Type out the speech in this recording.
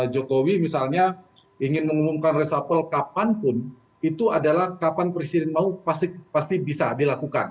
jokowi misalnya ingin mengumumkan resapel kapanpun itu adalah kapan presiden mau pasti bisa dilakukan